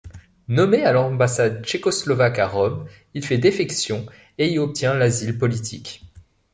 Nommé à l'ambassade tchécoslovaque à Rome, il fait défection et y obtient l'asile politique.